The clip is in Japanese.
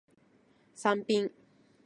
サンピン